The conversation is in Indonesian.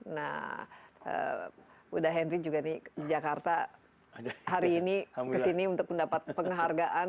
nah bunda henry juga nih jakarta hari ini kesini untuk mendapat penghargaan